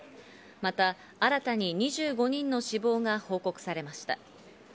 また新たに２５人の死亡が報告されました。